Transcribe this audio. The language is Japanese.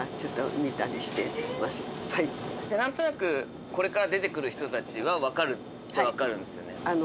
じゃあ何となくこれから出てくる人たちは分かるっちゃ分かるんですよね。